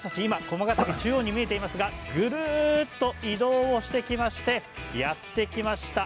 駒ヶ岳中央に見ていますがぐるっと移動してきましてやって来ました。